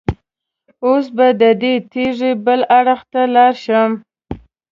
اوس به د دې تیږې بل اړخ ته راشم.